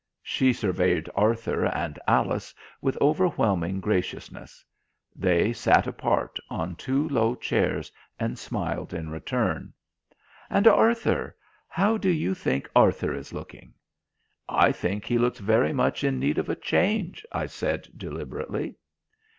She surveyed Arthur and Alice with overwhelming graciousness. They sat apart on two low chairs and smiled in return. "And Arthur how do you think Arthur is looking?" "I think he looks very much in need of a change," I said deliberately.